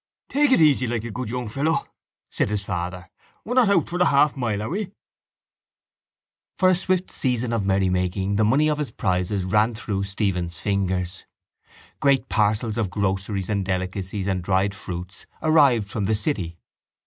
—Take it easy like a good young fellow, said his father. We're not out for the half mile, are we? For a swift season of merrymaking the money of his prizes ran through Stephen's fingers. Great parcels of groceries and delicacies and dried fruits arrived from the city.